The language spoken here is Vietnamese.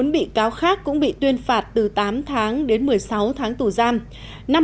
một mươi bị cáo khác cũng bị tuyên phạt từ tám tháng đến một mươi sáu tháng tù giam